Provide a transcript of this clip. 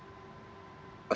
oh itu itu